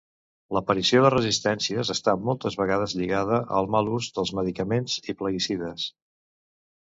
L'aparició de resistències està moltes vegades lligada al mal ús dels medicaments i plaguicides.